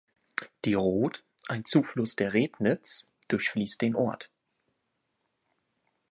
Die Roth, ein Zufluss der Rednitz, durchfließt den Ort.